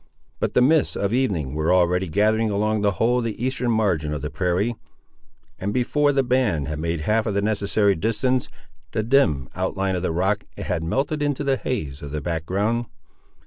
But the mists of evening were already gathering along the whole of the eastern margin of the prairie, and before the band had made half of the necessary distance, the dim outline of the rock had melted into the haze of the back ground.